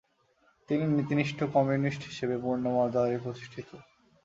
তিনি নীতিনিষ্ঠ কমিউনিস্ট হিসেবে পূর্ণ মর্যাদায় প্রতিষ্ঠিত।